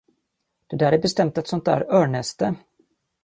Det där är bestämt ett sådant där örnnäste.